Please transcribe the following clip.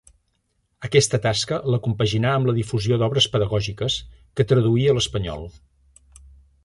Aquesta tasca la compaginà amb la difusió d'obres pedagògiques, que traduí a l'espanyol.